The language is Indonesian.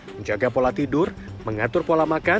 menjaga pola tidur menganjurkan diri dan menjaga keadaan